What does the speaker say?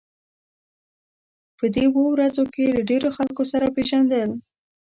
په دې اوو ورځو کې له ډېرو خلکو سره پېژندل.